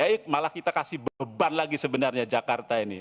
baik malah kita kasih beban lagi sebenarnya jakarta ini